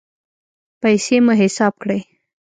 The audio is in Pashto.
پیسې مو حساب کړئ